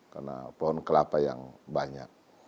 karena pohon kelapa yang banyak